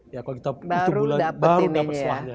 ya kalau kita itu bulan baru dapat setelahnya